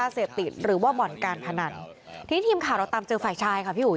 เสพติดหรือว่าบ่อนการพนันทีนี้ทีมข่าวเราตามเจอฝ่ายชายค่ะพี่อุ๋